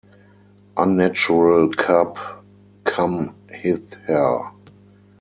Unnatural cub, come hither!